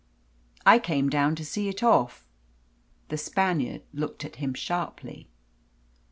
"I came down to see it off!" The Spaniard looked at him sharply.